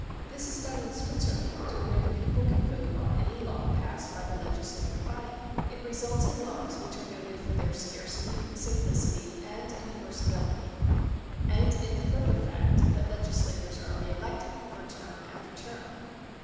This is done in Switzerland, where the peo ple can vote on any law passed by the legis lative body. It results in laws which are noted for their scarcity, simplicity and en forceability; and in the further fact that legislators are reelected for term after term.